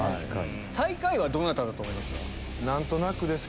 最下位はどなただと思います？